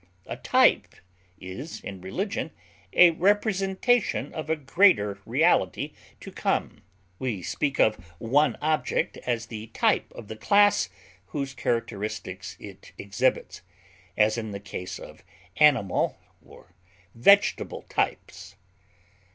A type is in religion a representation of a greater reality to come; we speak of one object as the type of the class whose characteristics it exhibits, as in the case of animal or vegetable types.